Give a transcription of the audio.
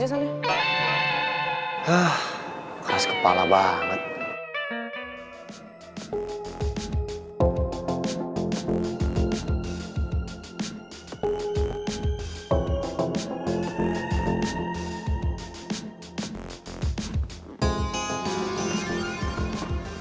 jangan pernah ganggu perempuan lagi